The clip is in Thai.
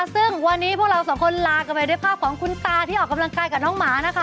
ซึ่งวันนี้พวกเราสองคนลากันไปด้วยภาพของคุณตาที่ออกกำลังกายกับน้องหมานะคะ